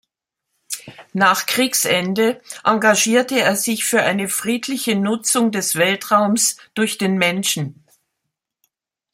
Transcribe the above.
Nach Kriegsende engagierte er sich für eine friedliche Nutzung des Weltraums durch den Menschen.